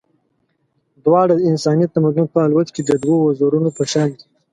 دواړه د انساني تمدن په الوت کې د دوو وزرونو په شان دي.